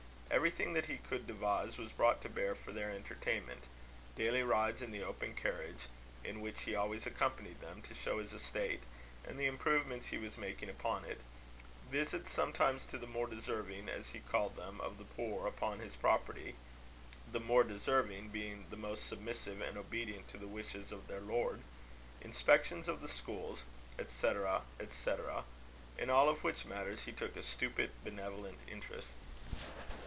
Everything that he could devise, was brought to bear for their entertainment; daily rides in the open carriage, in which he always accompanied them, to show his estate, and the improvements he was making upon it; visits sometimes to the more deserving, as he called them, of the poor upon his property the more deserving being the most submissive and obedient to the wishes of their lord; inspections of the schools, &c., &c. in all of which matters he took a stupid, benevolent interest.